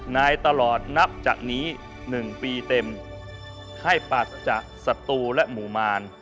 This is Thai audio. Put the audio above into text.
นายตลอดนับจากนี้หนึ่งปีเต็มให้ปัจจักษ์ศัตรูและหมู่มาร